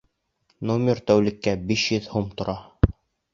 Номер тәүлеккә биш йөҙ һум тора